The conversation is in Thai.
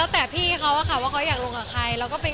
แต่หนูลงร่่วงกับ๕คน